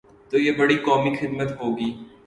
تو یہ بڑی قومی خدمت ہو گی۔